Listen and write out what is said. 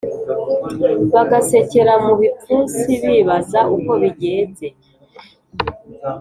bagasekera mu bipfunsibibaza uko bigenze